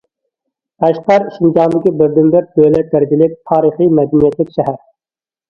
قەشقەر شىنجاڭدىكى بىردىنبىر دۆلەت دەرىجىلىك تارىخىي مەدەنىيەتلىك شەھەر.